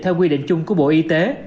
theo quy định chung của bộ y tế